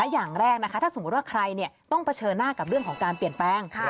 อย่างแรกนะคะถ้าสมมุติว่าใครต้องเผชิญหน้ากับเรื่องของการเปลี่ยนแปลง